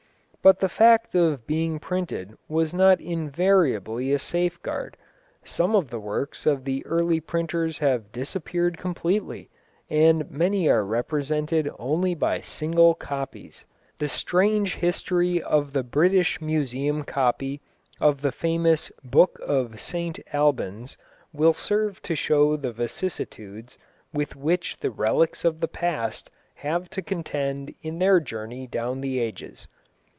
But the fact of being printed was not invariably a safeguard. Some of the works of the early printers have disappeared completely, and many are represented only by single copies. The strange history of the British Museum copy of the famous Book of St Albans, will serve to show the vicissitudes with which the relics of the past have to contend in their journey down the ages.